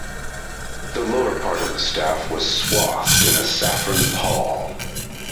The lower part of the staff was swathed in a saffron pall.